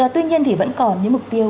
tuy nhiên thì vẫn còn những mục tiêu